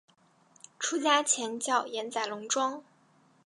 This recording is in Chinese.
出家前叫岩仔龙庄。